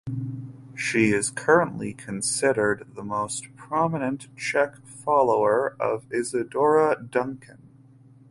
She is currently considered the most prominent Czech follower of Isadora Duncan.